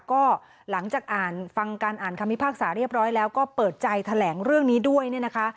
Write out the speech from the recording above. ก็หลังจากอ่านฟังการอ่านคำพิพากษาเรียบร้อยแล้วก็เปิดใจแถลงเรื่องนี้ด้วยเนี่ยนะคะ